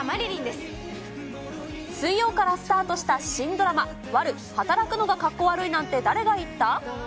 水曜からスタートした新ドラマ、悪女働くのがカッコ悪いなんて誰が言った？